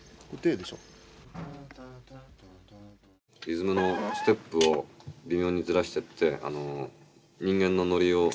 リズムのステップを微妙にずらしてって人間のノリがね